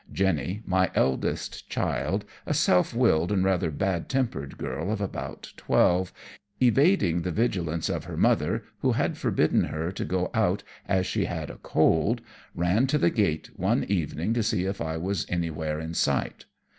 Jennie, my eldest child, a self willed and rather bad tempered girl of about twelve, evading the vigilance of her mother, who had forbidden her to go out as she had a cold, ran to the gate one evening to see if I was anywhere in sight.